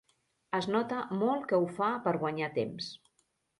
Es nota molt que ho fa per guanyar temps.